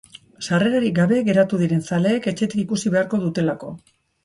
Sarrerarik gabe geratu diren zaleek etxetik ikusi beharko dutelako.